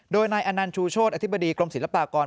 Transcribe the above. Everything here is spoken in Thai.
โดยนายอนันต์ชูโชธอธิบดีกรมศิลปากร